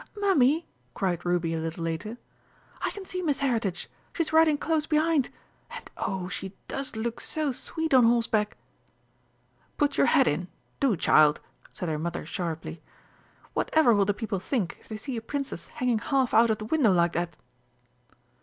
"Mummy," cried Ruby a little later, "I can see Miss Heritage! She's riding close behind. And oh, she does look so sweet on horseback!" "Put your head in, do, child!" said her mother sharply. "Whatever will the people think if they see a Princess hanging half out of the window like that!"